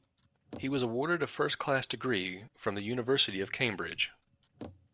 He was awarded a first-class degree from the University of Cambridge